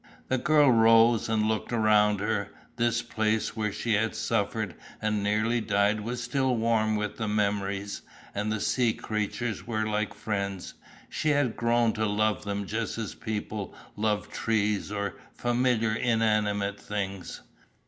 The girl rose and looked around her. This place where she had suffered and nearly died was still warm with memories, and the sea creatures were like friends, she had grown to love them just as people love trees or familiar inanimate things.